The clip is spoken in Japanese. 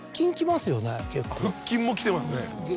腹筋もきてますね。